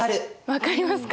分かりますか？